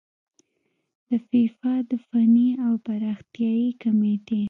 د فیفا د فني او پراختیايي کميټې